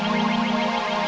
makasih ya